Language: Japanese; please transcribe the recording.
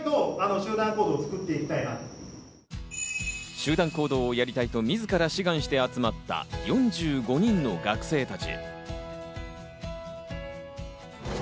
集団行動をやりたいと自ら志願して集まった４５人の学生たち。